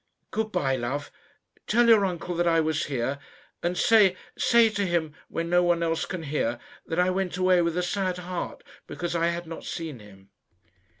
Good bye, love. Tell your uncle that I was here, and say say to him when no one else can hear, that I went away with a sad heart because I had not seen him."